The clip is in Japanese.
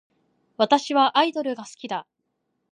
私はアイドルが好きだ